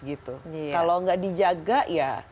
kalau nggak dijaga ya